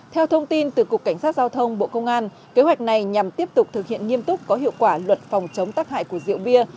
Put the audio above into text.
theo thông tin từ cục cảnh sát giao thông bộ công an kế hoạch này nhằm tiếp tục thực hiện nghiêm túc có hiệu quả luật phòng chống tắc hại của rượu bia